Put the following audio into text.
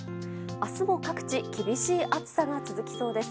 明日も各地厳しい暑さが続きそうです。